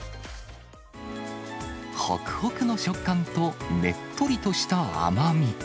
ほくほくの食感と、ねっとりとした甘み。